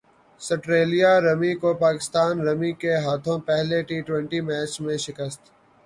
سٹریلیا رمی کو پاکستان رمی کے ہاتھوں پہلے ٹی ٹوئنٹی میچ میں شکست